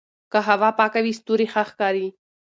که هوا پاکه وي ستوري ښه ښکاري.